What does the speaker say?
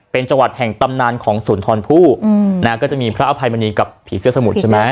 เป็นจังหวัดแห่งตำนานของสุนทรผู้นะก็จะมีพระอภัยมณีกับผีเสื้อสมุทรใช่ไหม